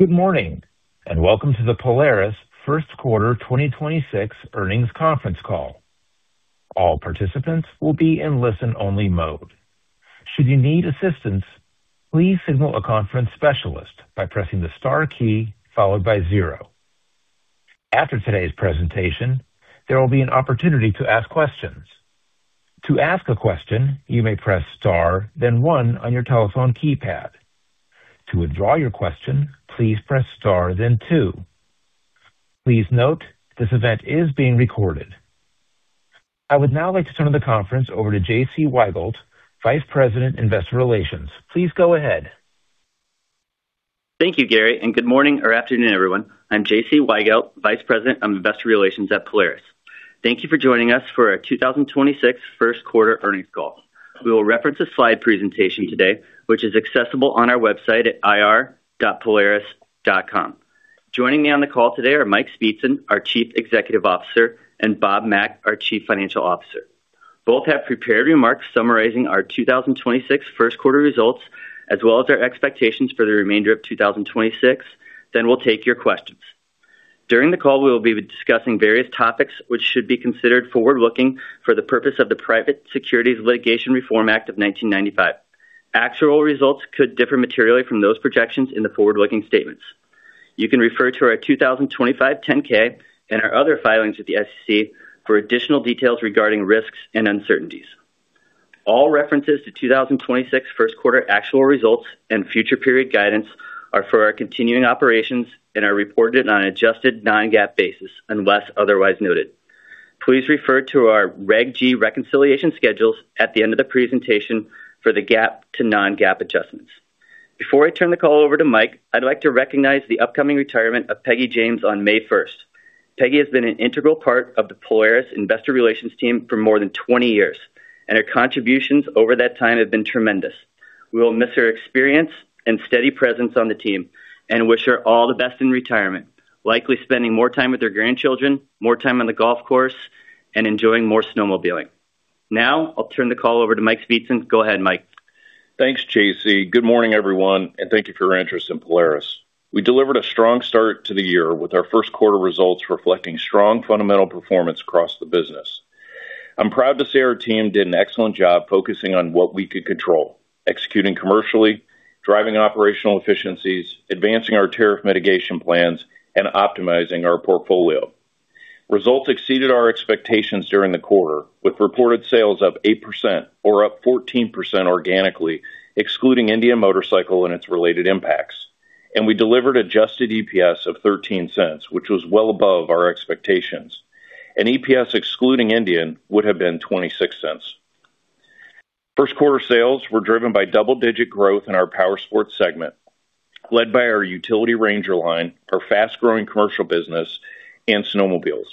Good morning, and welcome to the Polaris first quarter 2026 earnings conference call. All participants will be in listen-only mode. Should you need assistance, please signal a conference specialist by pressing the star key followed by zero. After today's presentation, there will be an opportunity to ask questions. To ask a question, you may press star then one on your telephone keypad. To withdraw your question, please press star then two. Please note this event is being recorded. I would now like to turn the conference over to J.C. Weigelt, Vice President, Investor Relations. Please go ahead. Thank you, Gary. Good morning or afternoon, everyone. I'm J.C. Weigelt, Vice President of Investor Relations at Polaris. Thank you for joining us for our 2026 first quarter earnings call. We will reference a slide presentation today, which is accessible on our website at ir.polaris.com. Joining me on the call today are Mike Speetzen, our Chief Executive Officer, and Bob Mack, our Chief Financial Officer. Both have prepared remarks summarizing our 2026 first quarter results as well as our expectations for the remainder of 2026. We'll take your questions. During the call, we will be discussing various topics which should be considered forward-looking for the purpose of the Private Securities Litigation Reform Act of 1995. Actual results could differ materially from those projections in the forward-looking statements. You can refer to our 2025 10-K and our other filings with the SEC for additional details regarding risks and uncertainties. All references to 2026 first quarter actual results and future period guidance are for our continuing operations and are reported on an adjusted non-GAAP basis unless otherwise noted. Please refer to our Reg G reconciliation schedules at the end of the presentation for the GAAP to non-GAAP adjustments. Before I turn the call over to Mike, I'd like to recognize the upcoming retirement of Peggy James on May 1st. Peggy has been an integral part of the Polaris Investor Relations team for more than 20 years, and her contributions over that time have been tremendous. We will miss her experience and steady presence on the team and wish her all the best in retirement, likely spending more time with her grandchildren, more time on the golf course, and enjoying more snowmobiling. Now I'll turn the call over to Mike Speetzen. Go ahead, Mike. Thanks, J.C. Good morning, everyone. Thank you for your interest in Polaris. We delivered a strong start to the year with our first quarter results reflecting strong fundamental performance across the business. I'm proud to say our team did an excellent job focusing on what we could control, executing commercially, driving operational efficiencies, advancing our tariff mitigation plans, and optimizing our portfolio. Results exceeded our expectations during the quarter, with reported sales up 8% or up 14% organically, excluding Indian Motorcycle and its related impacts. We delivered adjusted EPS of $0.13, which was well above our expectations. EPS excluding Indian would have been $0.26. First quarter sales were driven by double-digit growth in our Polaris Powersports segment, led by our Ranger line, our fast-growing commercial business, and snowmobiles.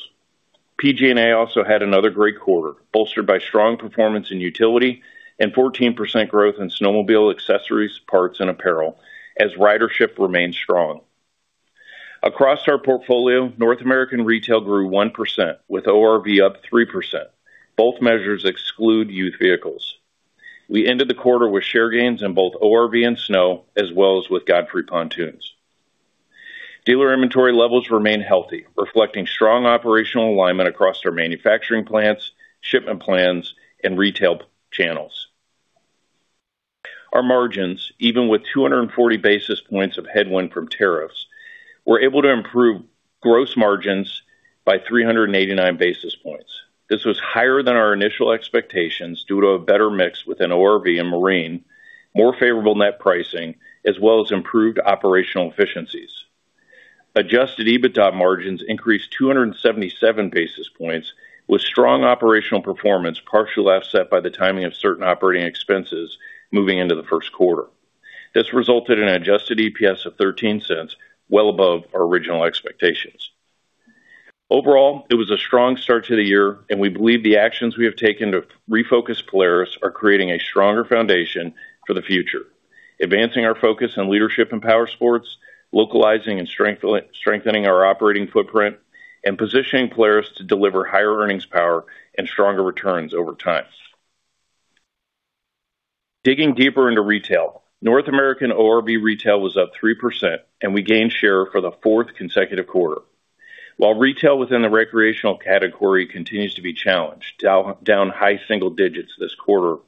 PG&A also had another great quarter, bolstered by strong performance in utility and 14% growth in snowmobile accessories, parts, and apparel as ridership remained strong. Across our portfolio, North American retail grew 1%, with ORV up 3%. Both measures exclude youth vehicles. We ended the quarter with share gains in both ORV and snow as well as with Godfrey Pontoons. Dealer inventory levels remain healthy, reflecting strong operational alignment across our manufacturing plants, shipment plans, and retail channels. Our margins, even with 240 basis points of headwind from tariffs, were able to improve gross margins by 389 basis points. This was higher than our initial expectations due to a better mix within ORV and Marine, more favorable net pricing, as well as improved operational efficiencies. Adjusted EBITDA margins increased 277 basis points, with strong operational performance partially offset by the timing of certain operating expenses moving into the first quarter. This resulted in adjusted EPS of $0.13, well above our original expectations. Overall, it was a strong start to the year. We believe the actions we have taken to refocus Polaris are creating a stronger foundation for the future, advancing our focus on leadership in Powersports, localizing and strengthening our operating footprint, and positioning Polaris to deliver higher earnings power and stronger returns over time. Digging deeper into retail, North American ORV retail was up 3%. We gained share for the fourth consecutive quarter. While retail within the recreational category continues to be challenged, down high single digits this quarter,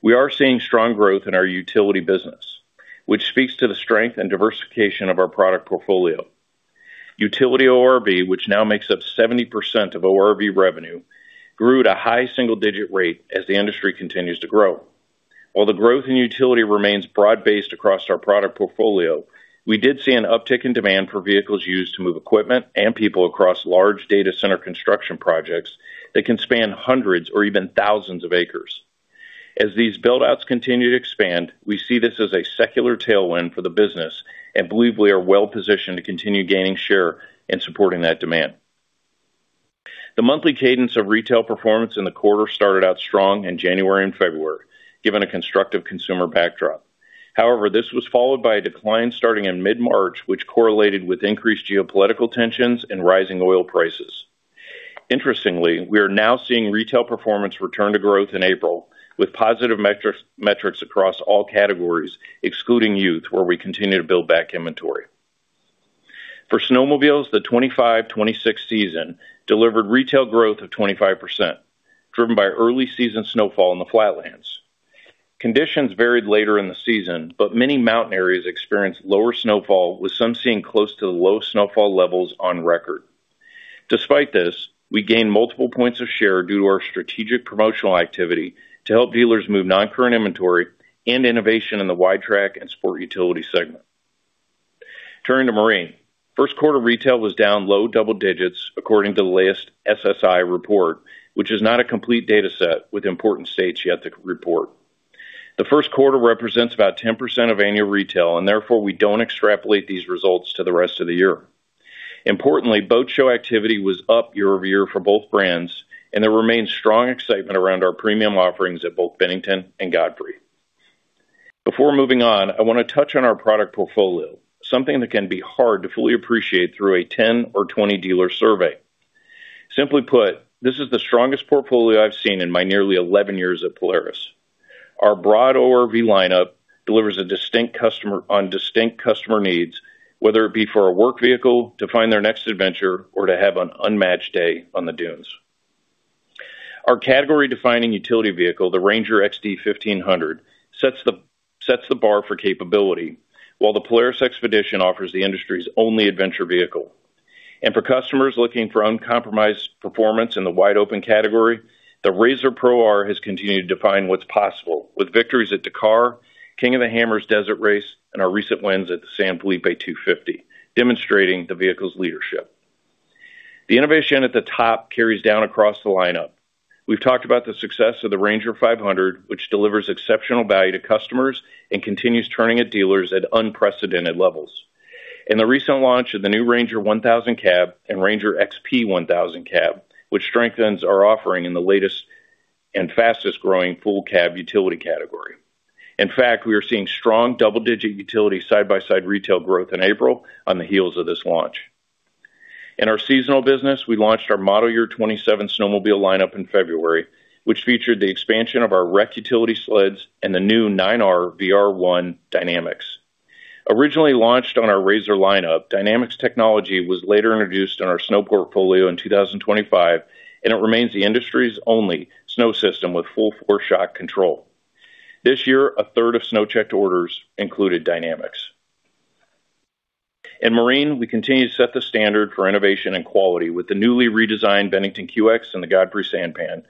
we are seeing strong growth in our utility business, which speaks to the strength and diversification of our product portfolio. Utility ORV, which now makes up 70% of ORV revenue, grew at a high single-digit rate as the industry continues to grow. While the growth in utility remains broad-based across our product portfolio, we did see an uptick in demand for vehicles used to move equipment and people across large data center construction projects that can span hundreds or even thousands of acres. As these build-outs continue to expand, we see this as a secular tailwind for the business and believe we are well-positioned to continue gaining share and supporting that demand. The monthly cadence of retail performance in the quarter started out strong in January and February, given a constructive consumer backdrop. This was followed by a decline starting in mid-March, which correlated with increased geopolitical tensions and rising oil prices. We are now seeing retail performance return to growth in April with positive metrics across all categories, excluding youth, where we continue to build back inventory. For snowmobiles, the 2025, 2026 season delivered retail growth of 25%, driven by early season snowfall in the Flatlands. Conditions varied later in the season, many mountain areas experienced lower snowfall, with some seeing close to the low snowfall levels on record. Despite this, we gained multiple points of share due to our strategic promotional activity to help dealers move non-current inventory and innovation in the wide track and Sport Utility segment. Turning to Marine. First q uarter retail was down low double digits according to the latest SSI report, which is not a complete data set with important states yet to report. The first quarter represents about 10% of annual retail, and therefore, we don't extrapolate these results to the rest of the year. Importantly, boat show activity was up year-over-year for both brands. There remains strong excitement around our premium offerings at both Bennington and Godfrey. Before moving on, I wanna touch on our product portfolio, something that can be hard to fully appreciate through a 10 or 20 dealer survey. Simply put, this is the strongest portfolio I've seen in my nearly 11 years at Polaris. Our broad ORV lineup delivers on distinct customer needs, whether it be for a work vehicle, to find their next adventure, or to have an unmatched day on the dunes. Our category-defining utility vehicle, the Ranger XD 1500, sets the bar for capability, while the Polaris XPEDITION offers the industry's only adventure vehicle. For customers looking for uncompromised performance in the wide open category, the RZR Pro R has continued to define what's possible with victories at Dakar, King of the Hammers desert race, and our recent wins at the San Felipe 250, demonstrating the vehicle's leadership. The innovation at the top carries down across the lineup. We've talked about the success of the Ranger 500, which delivers exceptional value to customers and continues turning at dealers at unprecedented levels. The recent launch of the new Ranger 1000 Cab and Ranger XP 1000 Cab, which strengthens our offering in the latest and fastest-growing full cab utility category. We are seeing strong double-digit utility side-by-side retail growth in April on the heels of this launch. In our seasonal business, we launched our model year 27 snowmobile lineup in February, which featured the expansion of our Rec utility sleds and the new 9R VR1 DYNAMIX. Originally launched on our RZR lineup, DYNAMIX technology was later introduced on our snow portfolio in 2025, it remains the industry's only snow system with full four-shock control. This year, a third of snow checked orders included DYNAMIX. In Marine, we continue to set the standard for innovation and quality with the newly redesigned Bennington QX and the Godfrey Sanpan,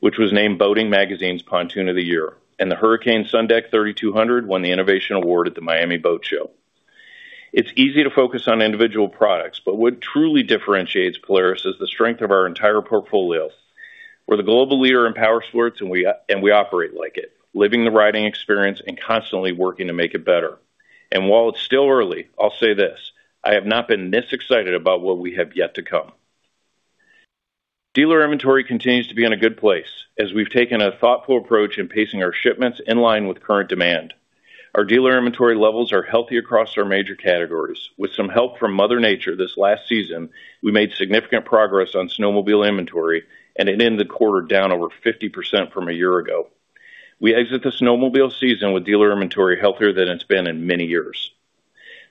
which was named Boating Magazine's Pontoon of the Year. The Hurricane SunDeck 3200 won the Innovation Award at the Miami Boat Show. It's easy to fo cus on individual products. What truly differentiates Polaris is the strength of our entire portfolio. We're the global leader in powersports. We operate like it, living the riding experience and constantly working to make it better. While it's still early, I'll say this: I have not been this excited about what we have yet to come. Dealer inventory continues to be in a good place as we've taken a thoughtful approach in pacing our shipments in line with current demand. Our dealer inventory levels are healthy across our major categories. With some help from Mother Nature this last season, we made significant progress on snowmobile inventory. It ended the quarter down over 50% from a year ago. We exit the snowmobile season with dealer inventory healthier than it's been in many years.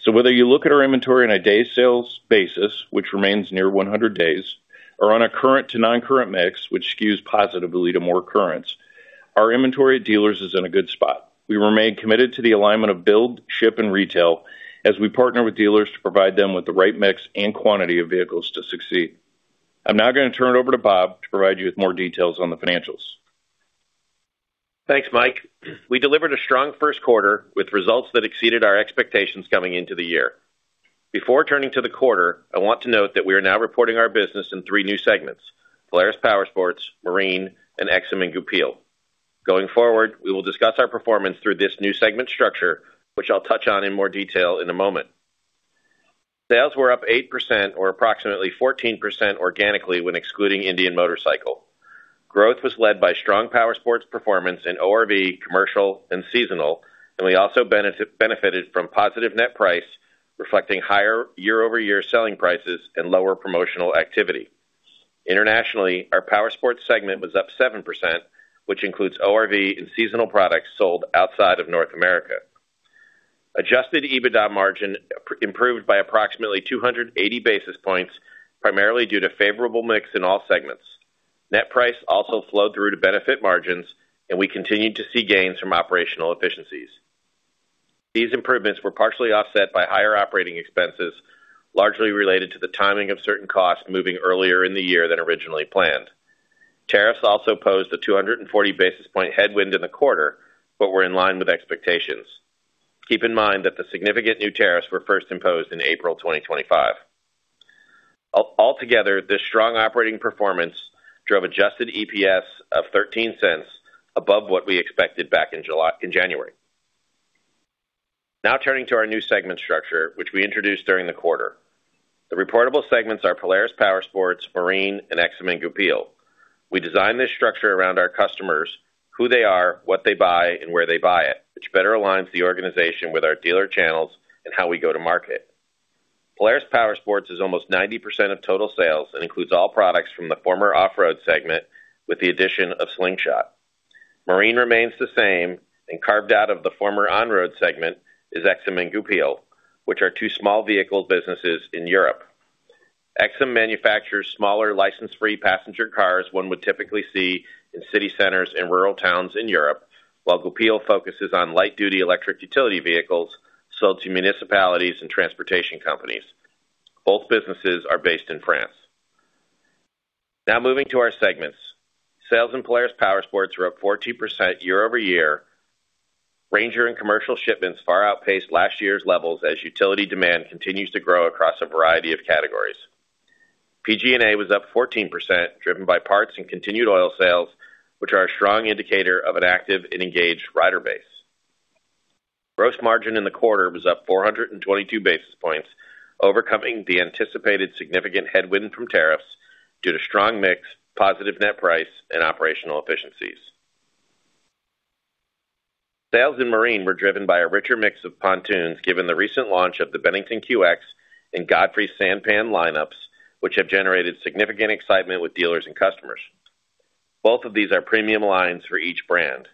Whether you look at our inventory on a day sales basis, which remains near 100 days, or on a current to non-current mix, which skews positively to more currents, our inventory dealers is in a good spot. We remain committed to the alignment of build, ship, and retail as we partner with dealers to provide them with the right mix and quantity of vehicles to succeed. I'm now gonna turn it over to Bob to provide you with more details on the financials. Thanks, Mike. We delivered a strong first quarter with results that exceeded our expectations coming into the year. Before turning to the quarter, I want to note that we are now reporting our business in three new segments: Polaris Powersports, Marine, and Aixam and Goupil. Going forward, we will discuss our performance through this new segment structure, which I'll touch on in more detail in a moment. Sales were up 8% or approximately 14% organically when excluding Indian Motorcycle. Growth was led by strong powersports performance in ORV, commercial, and seasonal, and we also benefited from positive net price, reflecting higher year-over-year selling prices and lower promotional activity. Internationally, our Powersports segment was up 7%, which includes ORV and seasonal products sold outside of North America. Adjusted EBITDA margin improved by approximately 280 basis points, primarily due to favorable mix in all segments. Net price also flowed through to benefit margins, and we continued to see gains from operational efficiencies. These improvements were partially offset by higher operating expenses, largely related to the timing of certain costs moving earlier in the year than originally planned. Tariffs also posed a 240 basis point headwind in the quarter but were in line with expectations. Keep in mind that the significant new tariffs were first imposed in April 2025. Altogether, this strong operating performance drove adjusted EPS of $0.13 above what we expected back in January. Now turning to our new segment structure, which we introduced during the quarter. The reportable segments are Polaris Powersports, Marine, and Aixam and Goupil. We designed this structure around our customers, who they are, what they buy, and where they buy it, which better aligns the organization with our dealer channels and how we go to market. Polaris Powersports is almost 90% of total sales and includes all products from the former off-road segment with the addition of Slingshot. Marine remains the same and carved out of the former on-road segment is Aixam and Goupil, which are two small vehicle businesses in Europe. Aixam manufactures smaller license-free passenger cars one would typically see in city centers and rural towns in Europe, while Goupil focuses on light-duty electric utility vehicles sold to municipalities and transportation companies. Both businesses are based in France. Moving to our segments. Sales in Polaris Powersports were up 14% year-over-year. Ranger and commercial shipments far outpaced last year's levels as utility demand continues to grow across a variety of categories. PG&A was up 14%, driven by parts and continued oil sales, which are a strong indicator of an active and engaged rider base. Gross margin in the quarter was up 422 basis points, overcoming the anticipated significant headwind from tariffs due to strong mix, positive net price, and operational efficiencies. Sales in Marine were driven by a richer mix of pontoons given the recent launch of the Bennington QX and Godfrey Sanpan lineups, which have generated significant excitement with dealers and customers. Both of these are premium lines for each brand.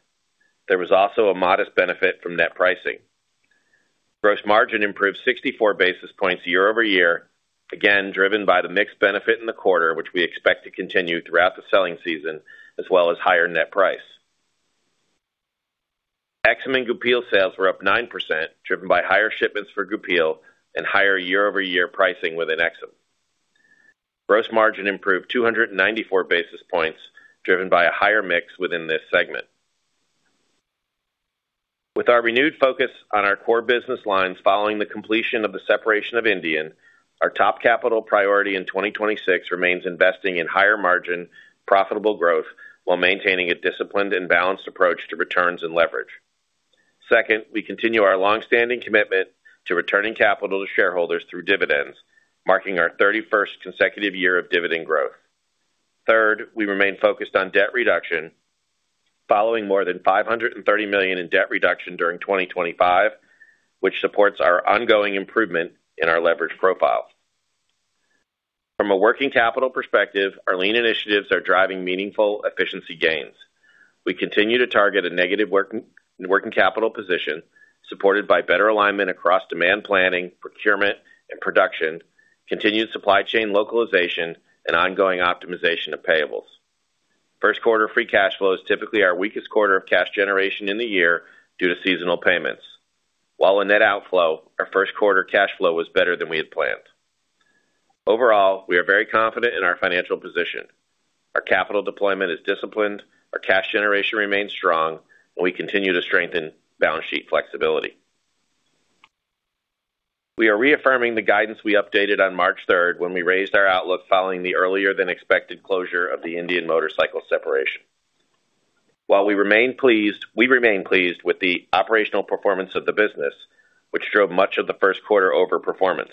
There was also a modest benefit from net pricing. Gross margin improved 64 basis points year-over-year, again driven by the mix benefit in the quarter, which we expect to continue throughout the selling season, as well as higher net price. Aixam and Goupil sales were up 9%, driven by higher shipments for Goupil and higher year-over-year pricing within Aixam. Gross margin improved 294 basis points, driven by a higher mix within this segment. With our renewed focus on our core business lines following the completion of the separation of Indian, our top capital priority in 2026 remains investing in higher margin, profitable growth while maintaining a disciplined and balanced approach to returns and leverage. Second, we continue our long-standing commitment to returning capital to shareholders through dividends, marking our 31st consecutive year of dividend growth. Third, we remain focused on debt reduction following more than $530 million in debt reduction during 2025, which supports our ongoing improvement in our leverage profile. From a working capital perspective, our lean initiatives are driving meaningful efficiency gains. We continue to target a negative working capital position supported by better alignment across demand planning, procurement, and production, continued supply chain localization, and ongoing optimization of payables. First quarter free cash flow is typically our weakest quarter of cash generation in the year due to seasonal payments. While a net outflow, our first quarter cash flow was better than we had planned. Overall, we are very confident in our financial position. Our capital deployment is disciplined, our cash generation remains strong, and we continue to strengthen balance sheet flexibility. We are reaffirming the guidance we updated on March 3rd when we raised our outlook following the earlier than expected closure of the Indian Motorcycle separation. While we remain pleased with the operational performance of the business, which drove much of the first quarter over performance.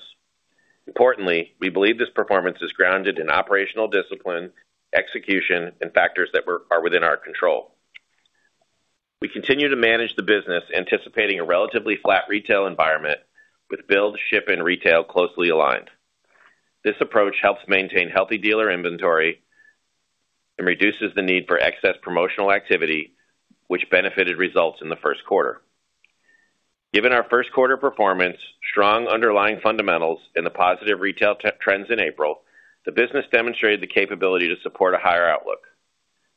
Importantly, we believe this performance is grounded in operational discipline, execution, and factors that are within our control. We continue to manage the business anticipating a relatively flat retail environment with build, ship, and retail closely aligned. This approach helps maintain healthy dealer inventory and reduces the need for excess promotional activity, which benefited results in the first quarter. Given our first quarter performance, strong underlying fundamentals in the positive retail trends in April, the business demonstrated the capability to support a higher outlook.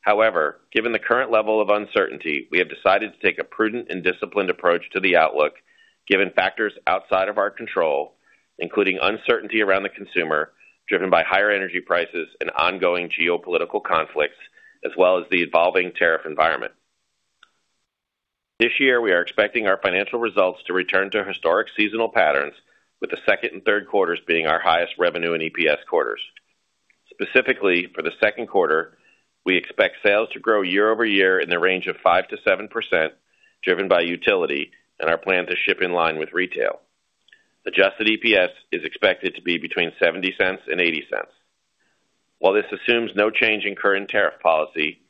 However, given the current level of uncertainty, we have decided to take a prudent and disciplined approach to the outlook given factors outside of our control, including uncertainty around the consumer, driven by higher energy prices and ongoing geopolitical conflicts, as well as the evolving tariff environment. This year, we are expecting our financial results to return to historic seasonal patterns, with the second and third quarters being our highest revenue and EPS quarters. Specifically, for the second quarter, we expect sales to grow year-over-year in the range of 5%-7%, driven by utility and our plan to ship in line with retail. Adjusted EPS is expected to be between $0.70 and $0.80. This assumes no change in current tariff policy,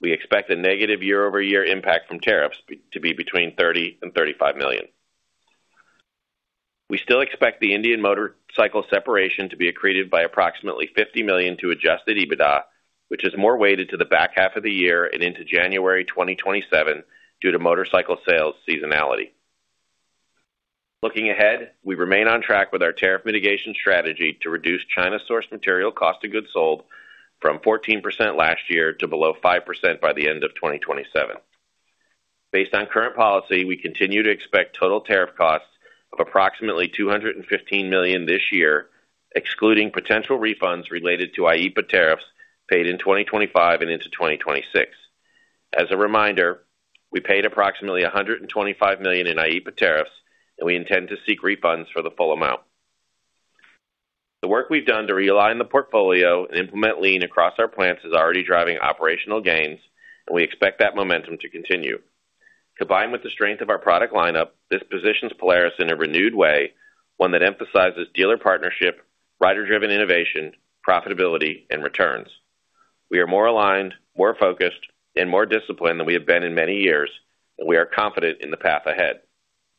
we expect a negative year-over-year impact from tariffs to be between $30 million and $35 million. We still expect the Indian Motorcycle separation to be accreted by approximately $50 million to adjusted EBITDA, which is more weighted to the back half of the year and into January 2027 due to motorcycle sales seasonality. Looking ahead, we remain on track with our tariff mitigation strategy to reduce China source material cost of goods sold from 14% last year to below 5% by the end of 2027. Based on current policy, we continue to expect total tariff costs of approximately $215 million this year, excluding potential refunds related to IEEPA tariffs paid in 2025 and into 2026. As a reminder, we paid approximately $125 million in IEEPA tariffs, and we intend to seek refunds for the full amount. The work we've done to realign the portfolio and implement lean across our plants is already driving operational gains. We expect that momentum to continue. Combined with the strength of our product lineup, this positions Polaris in a renewed way, one that emphasizes dealer partnership, rider-driven innovation, profitability, and returns. We are more aligned, more focused, and more disciplined than we have been in many years. We are confident in the path ahead.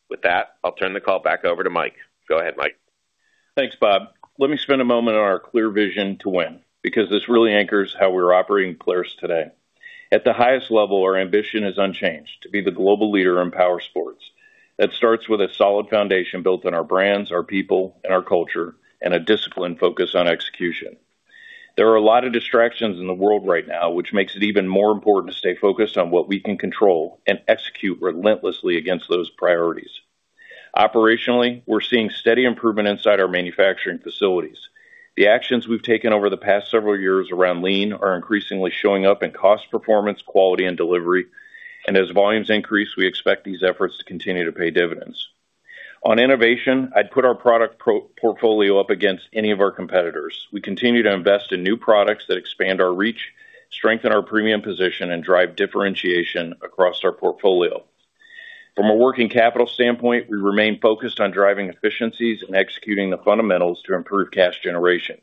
With that, I'll turn the call back over to Mike. Go ahead, Mike. Thanks, Bob. Let me spend a moment on our clear vision to win, because this really anchors how we're operating Polaris today. At the highest level, our ambition is unchanged, to be the global leader in powersports. That starts with a solid foundation built on our brands, our people, and our culture, and a disciplined focus on execution. There are a lot of distractions in the world right now, which makes it even more important to stay focused on what we can control and execute relentlessly against those priorities. Operationally, we're seeing steady improvement inside our manufacturing facilities. The actions we've taken over the past several years around lean are increasingly showing up in cost performance, quality, and delivery. As volumes increase, we expect these efforts to continue to pay dividends. On innovation, I'd put our product portfolio up against any of our competitors. We continue to invest in new products that expand our reach, strengthen our premium position, and drive differentiation across our portfolio. From a working capital standpoint, we remain focused on driving efficiencies and executing the fundamentals to improve cash generation.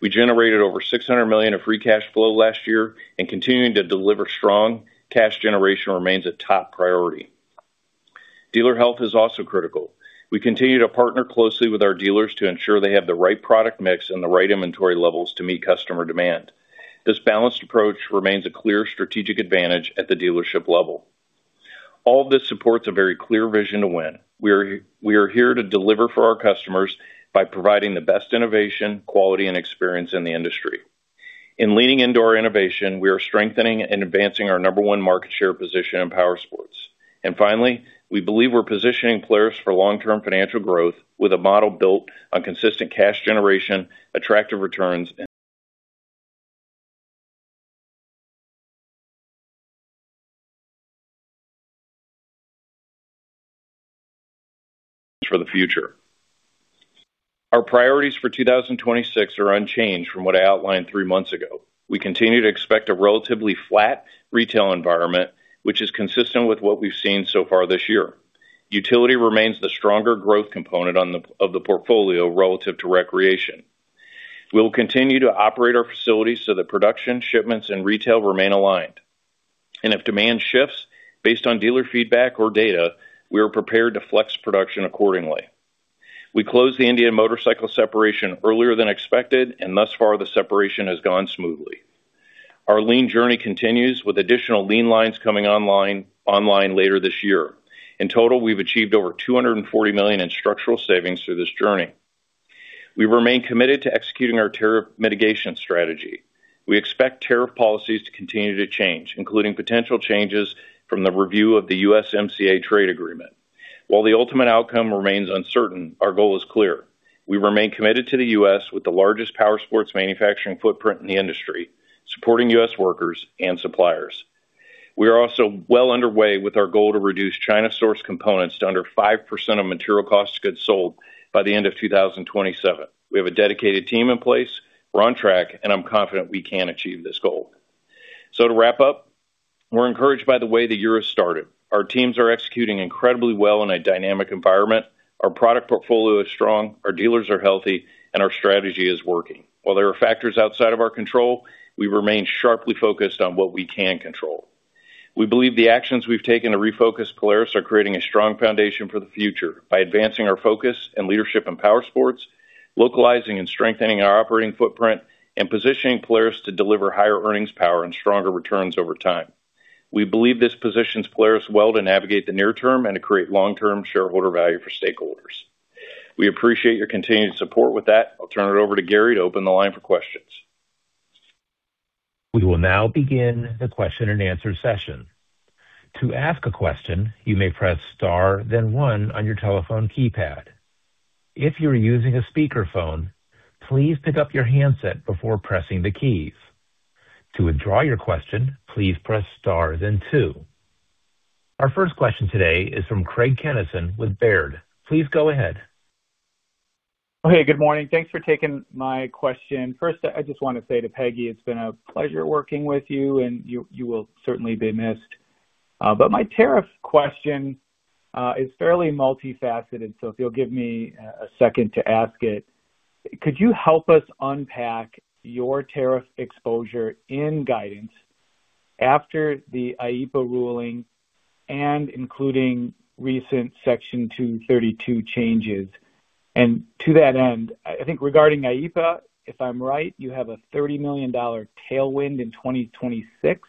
We generated over $600 million of free cash flow last year and continuing to deliver strong cash generation remains a top priority. Dealer health is also critical. We continue to partner closely with our dealers to ensure they have the right product mix and the right inventory levels to meet customer demand. This balanced approach remains a clear strategic advantage at the dealership level. All this supports a very clear vision to win. We are here to deliver for our customers by providing the best innovation, quality, and experience in the industry. In leaning into our innovation, we are strengthening and advancing our number one market share position in powersports. Finally, we believe we're positioning Polaris for long-term financial growth with a model built on consistent cash generation, attractive returns, and for the future. Our priorities for 2026 are unchanged from what I outlined three months ago. We continue to expect a relatively flat retail environment, which is consistent with what we've seen so far this year. Utility remains the stronger growth component of the portfolio relative to recreation. We'll continue to operate our facilities so that production, shipments, and retail remain aligned. If demand shifts based on dealer feedback or data, we are prepared to flex production accordingly. We closed the Indian Motorcycle separation earlier than expected, and thus far, the separation has gone smoothly. Our lean journey continues with additional lean lines coming online later this year. In total, we've achieved over $240 million in structural savings through this journey. We remain committed to executing our tariff mitigation strategy. We expect tariff policies to continue to change, including potential changes from the review of the USMCA trade agreement. While the ultimate outcome remains uncertain, our goal is clear. We remain committed to the U.S. with the largest powersports manufacturing footprint in the industry, supporting U.S. workers and suppliers. We are also well underway with our goal to reduce China source components to under 5% of material cost of goods sold by the end of 2027. We have a dedicated team in place. We're on track, and I'm confident we can achieve this goal. To wrap up, we're encouraged by the way the year has started. Our teams are executing incredibly well in a dynamic environment. Our product portfolio is strong, our dealers are healthy, and our strategy is working. While there are factors outside of our control, we remain sharply focused on what we can control. We believe the actions we've taken to refocus Polaris are creating a strong foundation for the future by advancing our focus and leadership in powersports, localizing and strengthening our operating footprint, and positioning Polaris to deliver higher earnings power and stronger returns over time. We believe this positions Polaris well to navigate the near term and to create long-term shareholder value for stakeholders. We appreciate your continued support. With that, I'll turn it over to Gary to open the line for questions. We will now begin the question-and-answer session. To ask a question, you may press star then one on your telephone keypad. If you are using a speakerphone, please pick up your handset before pressing the keys. To withdraw your question, please press star then two. Our first question today is from Craig Kennison with Baird. Please go ahead. Hey, good morning. Thanks for taking my question. First, I just want to say to Peggy, it's been a pleasure working with you, and you will certainly be missed. My tariff question is fairly multifaceted, so if you'll give me a second to ask it. Could you help us unpack your tariff exposure in guidance after the IEEPA ruling and including recent Section 232 changes? To that end, I think regarding IEEPA, if I'm right, you have a $30 million tailwind in 2026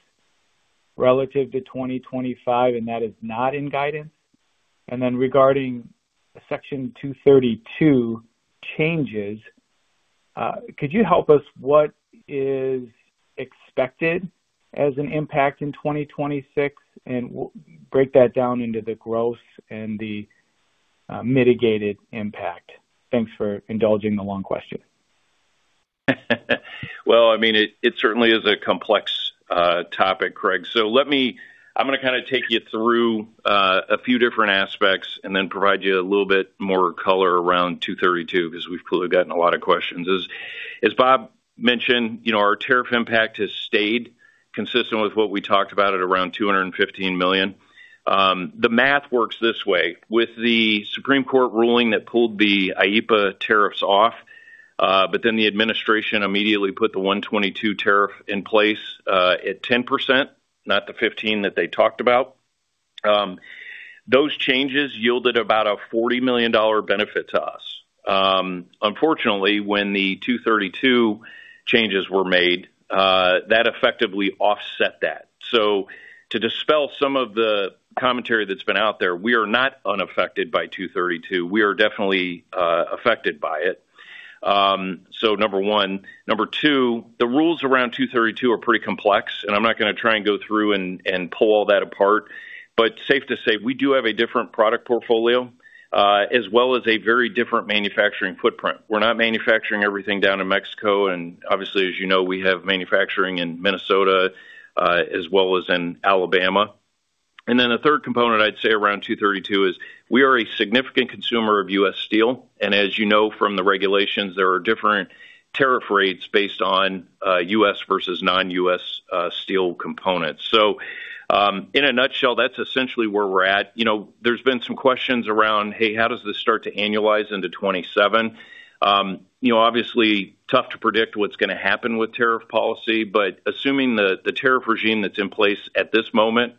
relative to 2025, and that is not in guidance. Regarding Section 232 changes, could you help us what is expected as an impact in 2026, and break that down into the growth and the mitigated impact? Thanks for indulging the long question. Well, it certainly is a complex topic, Craig. I'm gonna kinda take you through a few different aspects and then provide you a little bit more color around Section 232 because we've gotten a lot of questions. As Bob mentioned, you know, our tariff impact has stayed consistent with what we talked about at around $215 million. The math works this way. With the Supreme Court ruling that pulled the IEEPA tariffs off, the administration immediately put the Section 122 tariff in place at 10%, not the 15 that they talked about. Those changes yielded about a $40 million benefit to us. Unfortunately, when the Section 232 changes were made, that effectively offset that. To dispel some of the commentary that's been out there, we are not unaffected by Section 232. We are definitely affected by it. Number one. Number two, the rules around Section 232 are pretty complex, and I'm not gonna try and go through and pull all that apart. Safe to say, we do have a different product portfolio, as well as a very different manufacturing footprint. We're not manufacturing everything down in Mexico, and obviously, as you know, we have manufacturing in Minnesota, as well as in Alabama. The third component, I'd say around Section 232 is we are a significant consumer of U.S. Steel. As you know from the regulations, there are different tariff rates based on U.S. versus non-U.S. steel components. In a nutshell, that's essentially where we're at. You know, there's been some questions around, how does this start to annualize into 2027? You know, obviously tough to predict what's gonna happen with tariff policy, but assuming the tariff regime that's in place at this moment,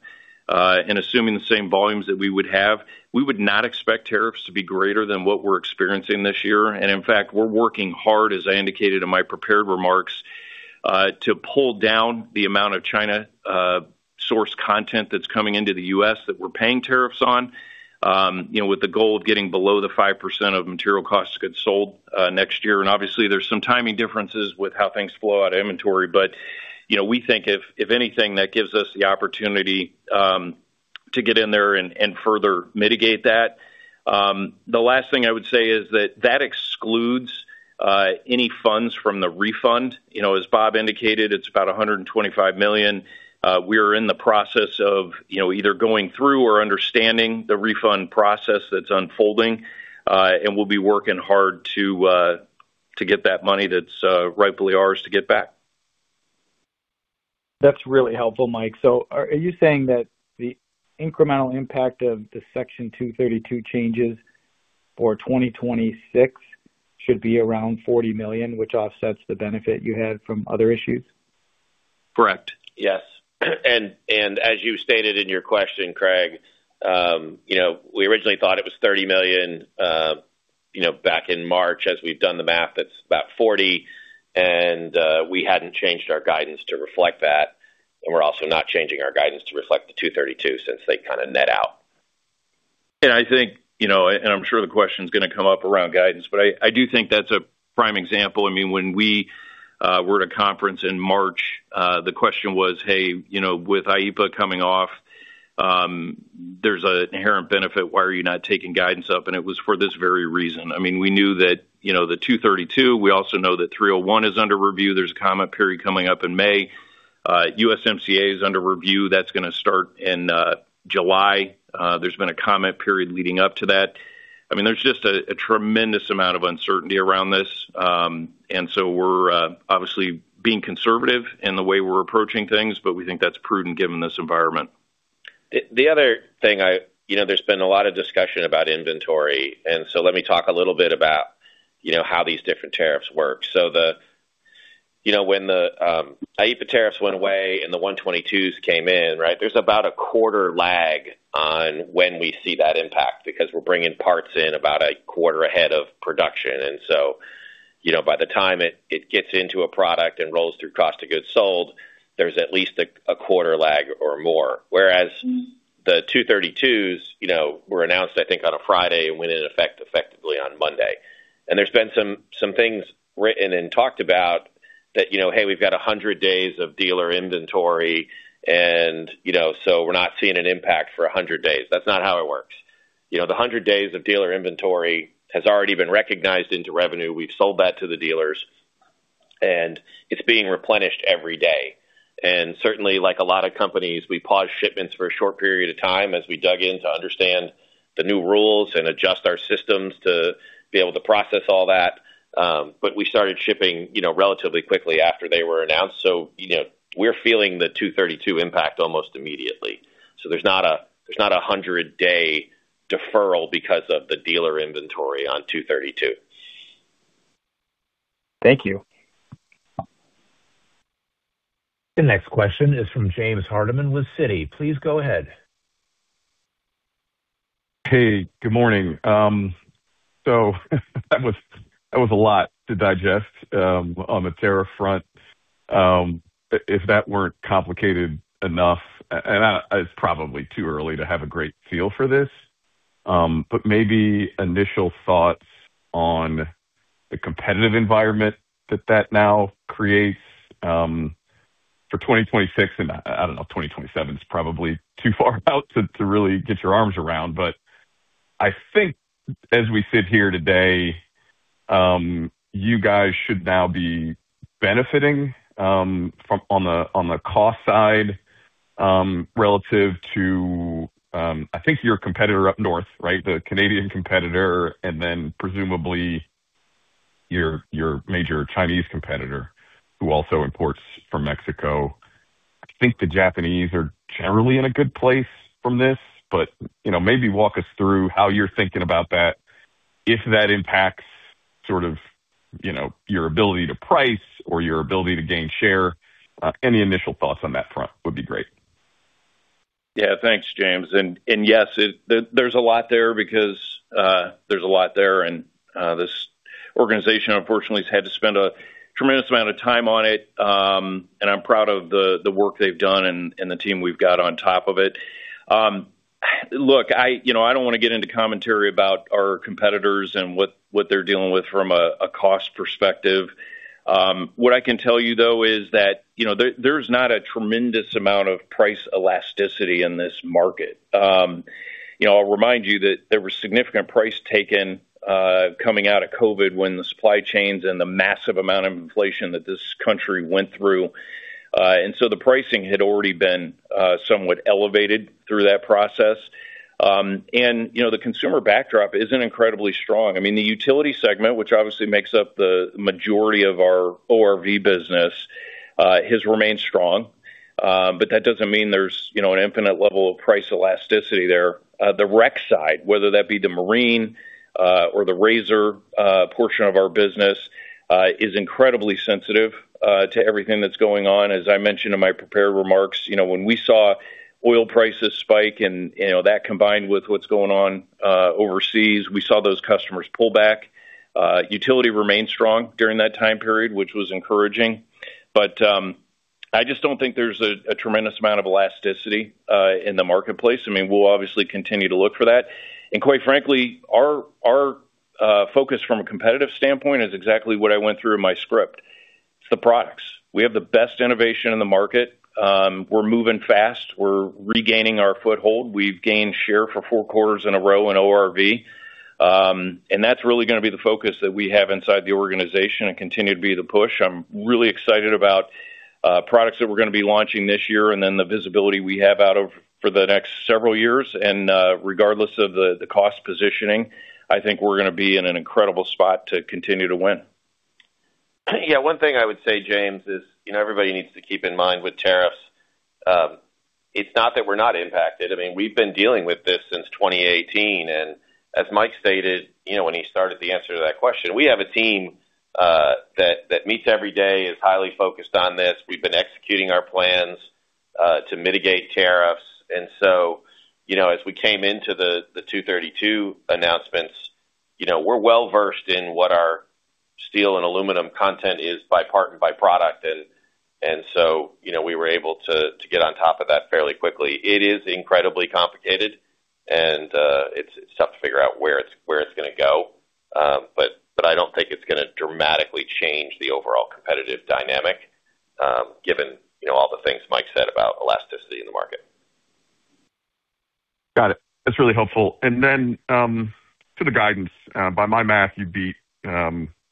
and assuming the same volumes that we would have, we would not expect tariffs to be greater than what we're experiencing this year. In fact, we're working hard, as I indicated in my prepared remarks, to pull down the amount of China source content that's coming into the U.S. that we're paying tariffs on, you know, with the goal of getting below the 5% of material costs goods sold next year. Obviously, there's some timing differences with how things flow out of inventory but, you know, we think if anything, that gives us the opportunity to get in there and further mitigate that. The last thing I would say is that that excludes any funds from the refund. You know, as Bob indicated, it's about $125 million. We are in the process of, you know, either going through or understanding the refund process that's unfolding, and we'll be working hard to get that money that's rightfully ours to get back. That's really helpful, Mike. Are you saying that the incremental impact of the Section 232 changes for 2026 should be around $40 million, which offsets the benefit you had from other issues? Correct. Yes. As you stated in your question, Craig, you know, we originally thought it was $30 million, you know, back in March. As we've done the math, it's about $40 million, and, we hadn't changed our guidance to reflect that, and we're also not changing our guidance to reflect the Section 232 since they kind of net out. I think, you know, I'm sure the question's gonna come up around guidance, but I do think that's a prime example. I mean, when we were at a conference in March, the question was, Hey, you know, with IEEPA coming off, there's an inherent benefit. Why are you not taking guidance up? It was for this very reason. I mean, we knew that, you know, the Section 232, we also know that Section 301 is under review. There's a comment period coming up in May. USMCA is under review. That's gonna start in July. There's been a comment period leading up to that. I mean, there's just a tremendous amount of uncertainty around this. So we're obviously being conservative in the way we're approaching things, but we think that's prudent given this environment. The other thing, you know, there's been a lot of discussion about inventory. Let me talk a little bit about, you know, how these different tariffs work. You know, when the IEEPA tariffs went away and the o Section 122s came in, right? There's about a quarter lag on when we see that impact because we're bringing parts in about a quarter ahead of production. You know, by the time it gets into a product and rolls through cost of goods sold, there's at least a quarter lag or more. Whereas the Section 232s, you know, were announced, I think, on a Friday and went in effect effectively on Monday. There's been some things written and talked about that, you know, hey, we've got 100 days of dealer inventory and, you know, we're not seeing an impact for 100 days. That's not how it works. You know, the 100 days of dealer inventory has already been recognized into revenue. We've sold that to the dealers, and it's being replenished every day. Certainly, like a lot of companies, we paused shipments for a short period of time as we dug in to understand the new rules and adjust our systems to be able to process all that. We started shipping, you know, relatively quickly after they were announced, you know, we're feeling the Section 232 impact almost immediately. There's not a 100-day deferral because of the dealer inventory on Section 232. Thank you. The next question is from James Hardiman with Citi. Please go ahead. Hey, good morning. That was a lot to digest on the tariff front. If that weren't complicated enough, it's probably too early to have a great feel for this, maybe initial thoughts on the competitive environment that now creates for 2026 and, I don't know, 2027 is probably too far out to really get your arms around. I think as we sit here today, you guys should now be benefiting on the cost side, relative to, I think your competitor up north, right? The Canadian competitor and then Your major Chinese competitor who also imports from Mexico. I think the Japanese are generally in a good place from this, but, you know, maybe walk us through how you're thinking about that, if that impacts sort of, you know, your ability to price or your ability to gain share. Any initial thoughts on that front would be great. Yeah. Thanks, James. Yes, there's a lot there because there's a lot there. This organization unfortunately has had to spend a tremendous amount of time on it. I'm proud of the work they've done and the team we've got on top of it. Look, I, you know, I don't wanna get into commentary about our competitors and what they're dealing with from a cost perspective. What I can tell you, though, is that, you know, there's not a tremendous amount of price elasticity in this market. You know, I'll remind you that there was significant price taken coming out of COVID when the supply chains and the massive amount of inflation that this country went through. The pricing had already been somewhat elevated through that process. You know, the consumer backdrop isn't incredibly strong. I mean, the utility segment, which obviously makes up the majority of our ORV business, has remained strong. That doesn't mean there's, you know, an infinite level of price elasticity there. The rec side, whether that be the marine, or the RZR portion of our business, is incredibly sensitive to everything that's going on. As I mentioned in my prepared remarks, you know, when we saw oil prices spike and, you know, that combined with what's going on overseas, we saw those customers pull back. Utility remained strong during that time period, which was encouraging. I just don't think there's a tremendous amount of elasticity in the marketplace. I mean, we'll obviously continue to look for that. Quite frankly, our focus from a competitive standpoint is exactly what I went through in my script. It's the products. We have the best innovation in the market. We're moving fast. We're regaining our foothold. We've gained share for four quarters in a row in ORV. That's really gonna be the focus that we have inside the organization and continue to be the push. I'm really excited about products that we're gonna be launching this year and then the visibility we have for the next several years. Regardless of the cost positioning, I think we're gonna be in an incredible spot to continue to win. Yeah. One thing I would say, James, is, you know, everybody needs to keep in mind with tariffs, it's not that we're not impacted. I mean, we've been dealing with this since 2018. As Mike stated, you know, when he started the answer to that question, we have a team that meets every day, is highly focused on this. We've been executing our plans to mitigate tariffs. You know, as we came into the Section 232 announcements, you know, we're well-versed in what our steel and aluminum content is by part and by product. You know, we were able to get on top of that fairly quickly. It is incredibly complicated, and it's tough to figure out where it's gonna go. I don't think it's gonna dramatically change the overall competitive dynamic, given, you know, all the things Mike said about elasticity in the market. Got it. That's really helpful. To the guidance, by my math, you beat,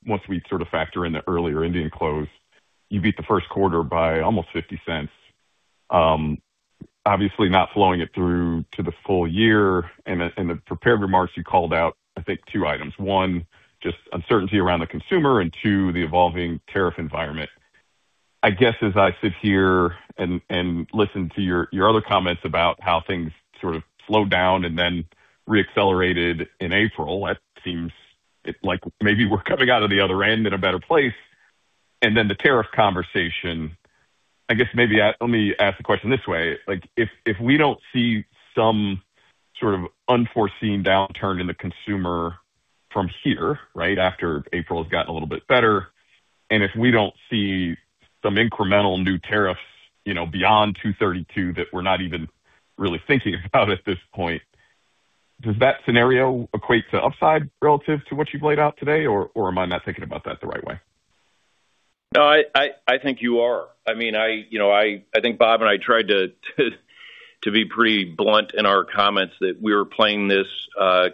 once we sort of factor in the earlier Indian close, you beat the first quarter by almost $0.50. Obviously not flowing it through to the full year. In the prepared remarks you called out, I think two items. One, just uncertainty around the consumer, and two, the evolving tariff environment. I guess as I sit here and listen to your other comments about how things sort of slowed down and then re-accelerated in April, that seems like maybe we're coming out of the other end in a better place. The tariff conversation, I guess maybe let me ask the question this way. Like, if we don't see some sort of unforeseen downturn in the consumer from here, right? After April's gotten a little bit better, and if we don't see some incremental new tariffs, you know, beyond Section 232 that we're not even really thinking about at this point, does that scenario equate to upside relative to what you've laid out today? Or am I not thinking about that the right way? I think you are. I mean, I, you know, I think Bob and I tried to be pretty blunt in our comments that we were playing this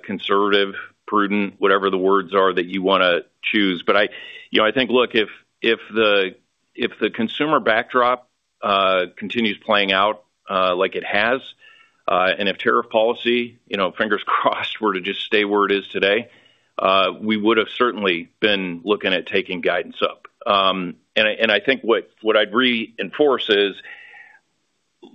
conservative, prudent, whatever the words are that you wanna choose. I, you know, I think, look, if the consumer backdrop continues playing out like it has, and if tariff policy, you know, fingers crossed, were to just stay where it is today, we would have certainly been looking at taking guidance up. I think what I'd reinforce is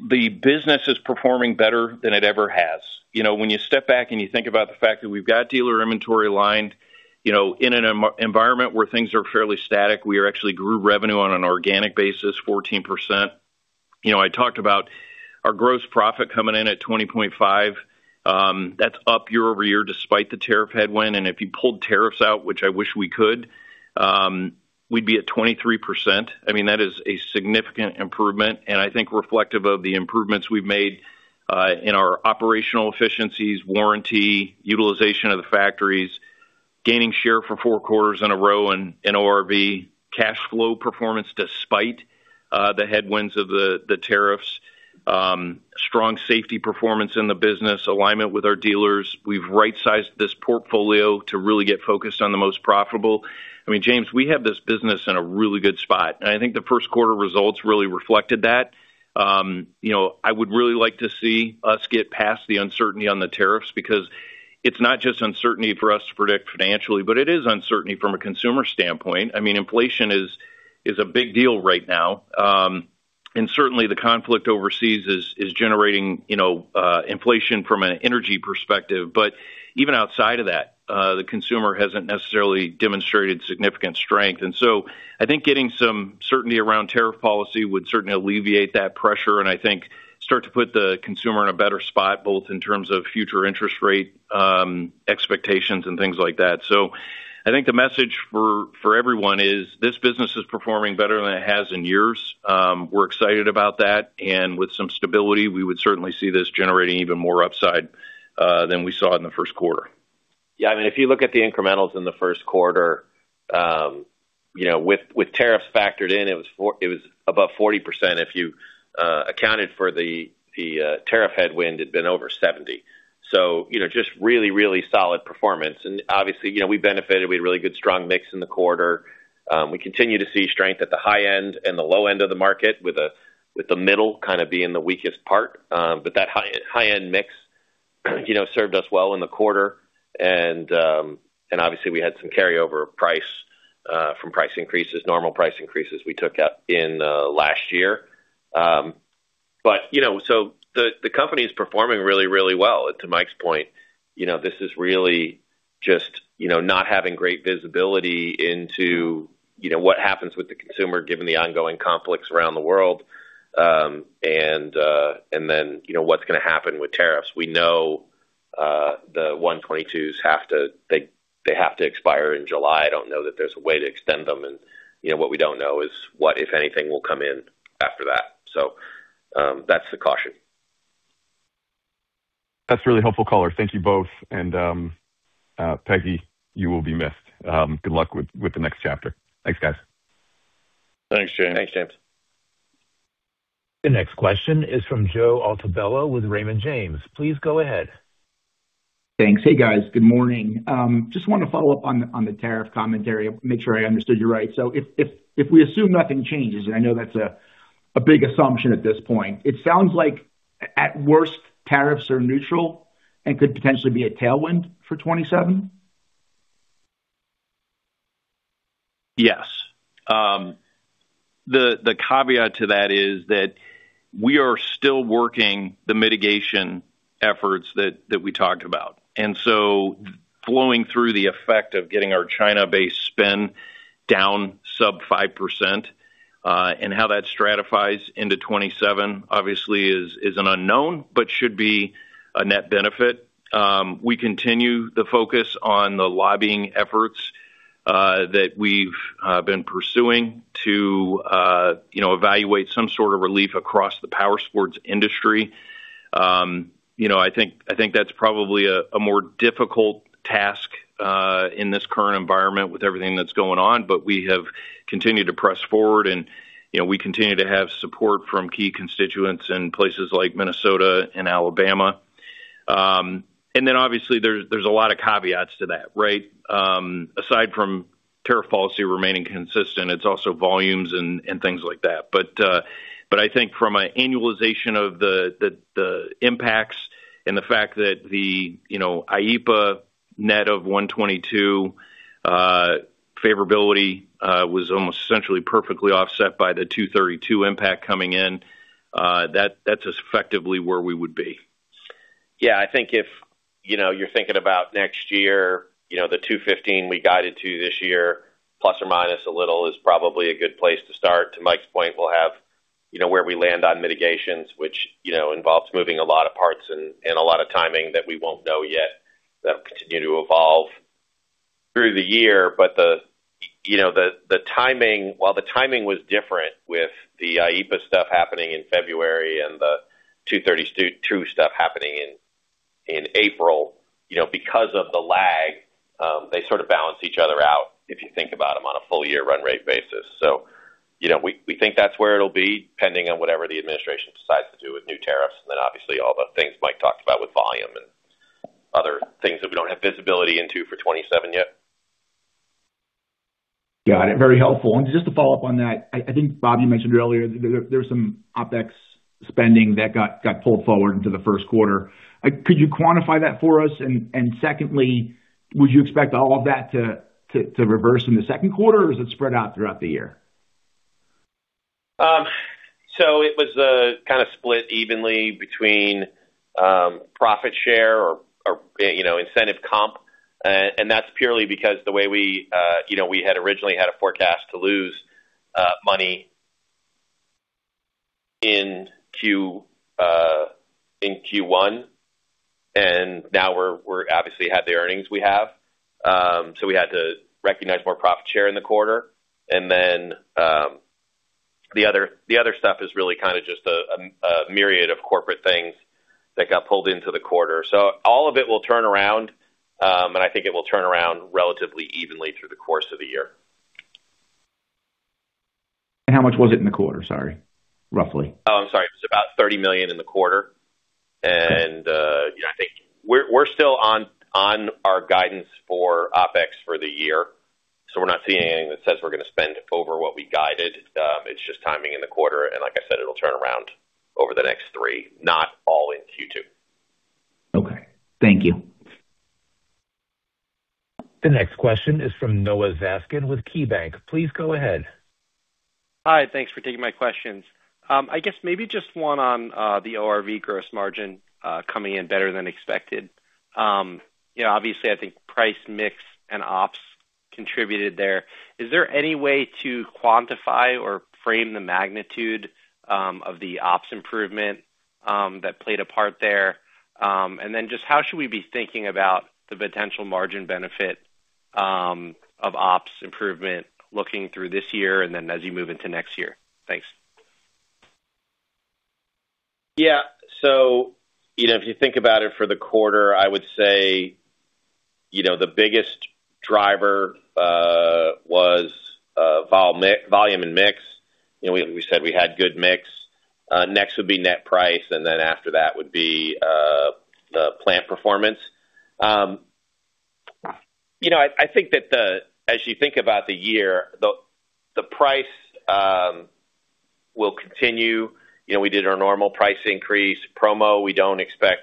the business is performing better than it ever has. You know, when you step back and you think about the fact that we've got dealer inventory aligned, you know, in an environment where things are fairly static, we actually grew revenue on an organic basis 14%. You know, I talked about our gross profit coming in at 20.5, that's up year-over-year despite the tariff headwind. If you pulled tariffs out, which I wish we could, we'd be at 23%. I mean, that is a significant improvement, and I think reflective of the improvements we've made in our operational efficiencies, warranty, utilization of the factories, gaining share for four quarters in a row in ORV, cash flow performance despite the headwinds of the tariffs, strong safety performance in the business, alignment with our dealers. We've right-sized this portfolio to really get focused on the most profitable. I mean, James, we have this business in a really good spot, and I think the first quarter results really reflected that. You know, I would really like to see us get past the uncertainty on the tariffs because it's not just uncertainty for us to predict financially, but it is uncertainty from a consumer standpoint. I mean, inflation is a big deal right now. Certainly the conflict overseas is generating, you know, inflation from an energy perspective. Even outside of that, the consumer hasn't necessarily demonstrated significant strength. I think getting some certainty around tariff policy would certainly alleviate that pressure and I think start to put the consumer in a better spot, both in terms of future interest rate expectations and things like that. I think the message for everyone is this business is performing better than it has in years. We're excited about that, and with some stability, we would certainly see this generating even more upside than we saw in the first quarter. Yeah. I mean, if you look at the incrementals in the first quarter, you know, with tariffs factored in, it was above 40%. If you accounted for the tariff headwind, it'd been over 70%. You know, just really, really solid performance. Obviously, you know, we benefited. We had really good strong mix in the quarter. We continue to see strength at the high end and the low end of the market with the middle kind of being the weakest part. But that high, high-end mix, you know, served us well in the quarter. Obviously, we had some carryover price from price increases, normal price increases we took up in last year. But, you know, so the company is performing really, really well. To Mike's point, you know, this is really just, you know, not having great visibility into, you know, what happens with the consumer, given the ongoing conflicts around the world. Then, you know, what's gonna happen with tariffs. We know, the Section 122s have to expire in July. I don't know that there's a way to extend them. You know, what we don't know is what, if anything, will come in after that. That's the caution. That's really helpful, caller. Thank you both. Peggy, you will be missed. Good luck with the next chapter. Thanks, guys. Thanks, James. Thanks, James. The next question is from Joe Altobello with Raymond James. Please go ahead. Thanks. Hey, guys. Good morning. just wanna follow up on the tariff commentary, make sure I understood you right. If we assume nothing changes, and I know that's a big assumption at this point, it sounds like at worst, tariffs are neutral and could potentially be a tailwind for 2027? Yes. The caveat to that is that we are still working the mitigation efforts that we talked about. Flowing through the effect of getting our China-based spend down sub 5%, and how that stratifies into 2027 obviously is an unknown, but should be a net benefit. We continue the focus on the lobbying efforts that we've been pursuing to, you know, evaluate some sort of relief across the powersports industry. You know, I think that's probably a more difficult task in this current environment with everything that's going on. We have continued to press forward and, you know, we continue to have support from key constituents in places like Minnesota and Alabama. Obviously there's a lot of caveats to that, right? Aside from tariff policy remaining consistent, it's also volumes and things like that. I think from an annualization of the impacts and the fact that IEEPA net of Section 122 favorability was almost essentially perfectly offset by the Section 232 impact coming in, that's effectively where we would be. Yeah. I think if, you know, you're thinking about next year, you know, the $2.15 we guided to this year, ± a little is probably a good place to start. To Mike's point, we'll have, you know, where we land on mitigations, which, you know, involves moving a lot of parts and a lot of timing that we won't know yet. That'll continue to evolve through the year. The, you know, the timing while the timing was different with the IEEPA stuff happening in February and the Section 232 stuff happening in April, you know, because of the lag, they sort of balance each other out if you think about them on a full year run rate basis. You know, we think that's where it'll be, depending on whatever the administration decides to do with new tariffs. Obviously all the things Mike talked about with volume and other things that we don't have visibility into for 2027 yet. Got it. Very helpful. Just to follow up on that, I think, Bob, you mentioned earlier there's some OpEx spending that got pulled forward into the first quarter. Could you quantify that for us? Secondly, would you expect all of that to reverse in the second quarter, or is it spread out throughout the year? It was kind of split evenly between profit share or, you know, incentive comp. That's purely because the way we, you know, we had originally had a forecast to lose money in Q1, and now we're obviously at the earnings we have. We had to recognize more profit share in the quarter. The other stuff is really kind of just a myriad of corporate things that got pulled into the quarter. All of it will turn around. I think it will turn around relatively evenly through the course of the year. How much was it in the quarter? Sorry. Roughly. Oh, I'm sorry. It was about $30 million in the quarter. You know, I think we're still on our guidance for OpEx for the year, so we're not seeing anything that says we're gonna spend over what we guided. It's just timing in the quarter, and like I said, it'll turn around over the next three, not all in Q2. Okay. Thank you. The next question is from Noah Zatzkin with KeyBank. Please go ahead. Hi. Thanks for taking my questions. I guess maybe just one on the ORV gross margin coming in better than expected. You know, obviously, I think price mix and ops contributed there. Is there any way to quantify or frame the magnitude of the ops improvement that played a part there? Just how should we be thinking about the potential margin benefit of ops improvement looking through this year and then as you move into next year? Thanks. Yeah. You know, if you think about it for the quarter, I would say, you know, the biggest driver was volume and mix. You know, we said we had good mix. Next would be net price, and then after that would be the plant performance. You know, I think that as you think about the year, the price will continue. You know, we did our normal price increase promo. We don't expect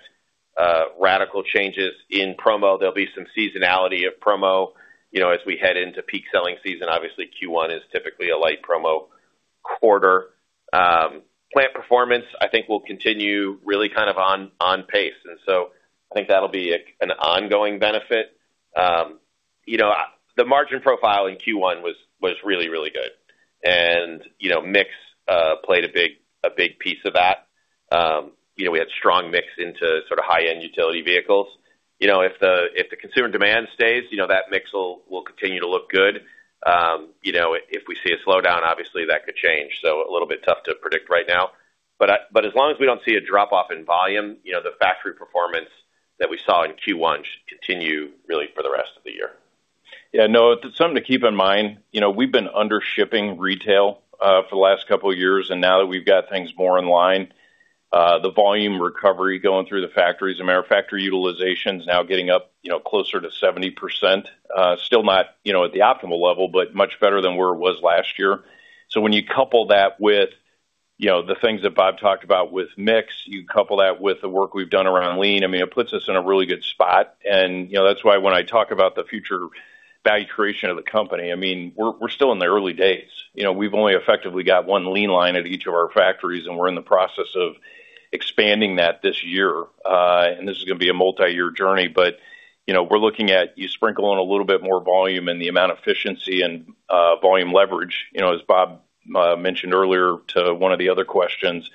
radical changes in promo. There'll be some seasonality of promo, you know, as we head into peak selling season. Obviously, Q1 is typically a light promo quarter. Plant performance, I think, will continue really kind of on pace. I think that'll be an ongoing benefit. You know, the margin profile in Q1 was really, really good. You know, mix played a big piece of that. You know, we had strong mix into sort of high-end utility vehicles. You know, if the consumer demand stays, you know, that mix will continue to look good. You know, if we see a slowdown, obviously that could change. A little bit tough to predict right now. As long as we don't see a drop-off in volume, you know, the factory performance that we saw in Q1 should continue really for the rest of the year. Yeah, Noah, something to keep in mind, you know, we've been under-shipping retail for the last couple of years, and now that we've got things more in line, the volume recovery going through the factories and manufacturing utilization's now getting up, you know, closer to 70%. Still not, you know, at the optimal level, but much better than where it was last year. When you couple that with, you know, the things that Bob talked about with mix, you couple that with the work we've done around lean, I mean, it puts us in a really good spot. You know, that's why when I talk about the future value creation of the company, I mean, we're still in the early days. You know, we've only effectively got one lean line at each of our factories, and we're in the process of expanding that this year. This is gonna be a multi-year journey, but, you know, we're looking at you sprinkle in a little bit more volume and the amount of efficiency and volume leverage. You know, as Bob mentioned earlier to one of the other questions,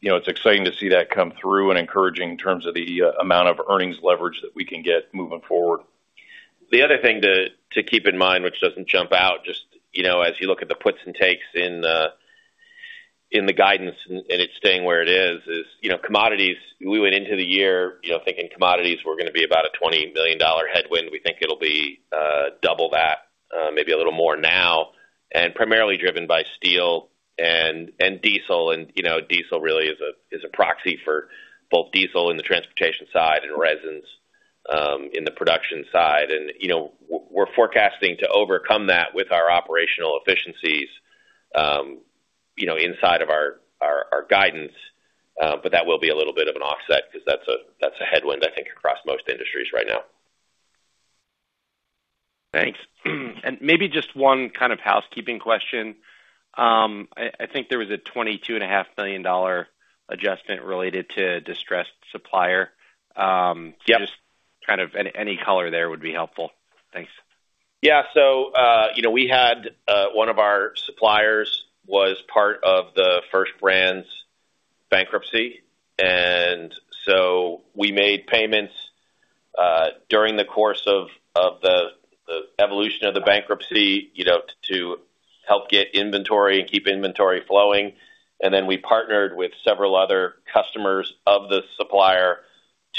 you know, it's exciting to see that come through and encouraging in terms of the amount of earnings leverage that we can get moving forward. The other thing to keep in mind, which doesn't jump out, just, you know, as you look at the puts and takes in the guidance and it staying where it is, you know, commodities, we went into the year, you know, thinking commodities were gonna be about a $20 million headwind. We think it'll be double that, maybe a little more now, and primarily driven by steel and diesel. You know, diesel really is a proxy for both diesel in the transportation side and resins in the production side. You know, we're forecasting to overcome that with our operational efficiencies, you know, inside of our guidance. That will be a little bit of an offset 'cause that's a headwind, I think, across most industries right now. Thanks. Maybe just one kind of housekeeping question. I think there was a $22.5 million adjustment related to distressed supplier. Yep. Just kind of any color there would be helpful. Thanks. Yeah. You know, we had one of our suppliers was part of the First Brands bankruptcy, we made payments during the course of the evolution of the bankruptcy, you know, to help get inventory and keep inventory flowing. We partnered with several other customers of the supplier